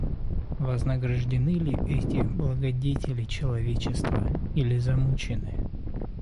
Вознаграждены ли эти благодетели человечества или замучены?